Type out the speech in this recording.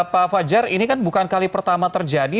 pak fajar ini kan bukan kali pertama terjadi